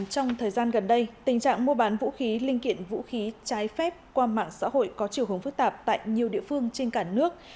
trong thời gian gần đây tình trạng mua bán vũ khí linh kiện vũ khí trái phép qua mạng xã hội có chiều hướng phức tạp tại nhiều địa phương trên cả nước